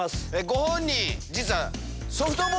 ご本人実は。